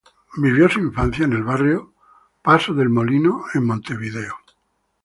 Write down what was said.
Vivió su infancia en el barrio Paso del Molino en Montevideo.